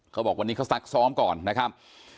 เขาบอกวันนี้เขาซักซ้อมก่อนนะครับ